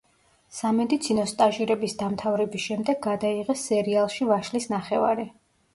სამედიცინო სტაჟირების დამთავრების შემდეგ გადაიღეს სერიალში „ვაშლის ნახევარი“.